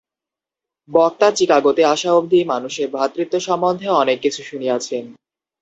বক্তা চিকাগোতে আসা অবধি মানুষের ভ্রাতৃত্ব সম্বন্ধে অনেক কিছু শুনিয়াছেন।